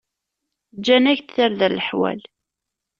Ǧǧan-ak-d tarda leḥwal.